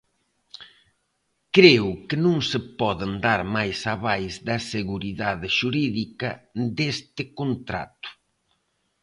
Creo que non se poden dar máis avais da seguridade xurídica deste contrato.